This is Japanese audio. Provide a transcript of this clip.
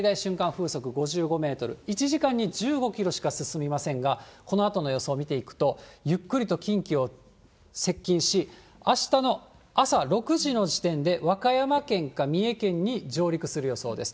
風速５５メートル、１時間に１５キロしか進みませんが、このあとの予想を見ていくと、ゆっくりと近畿を接近し、あしたの朝６時の時点で、和歌山県か三重県に上陸する予想です。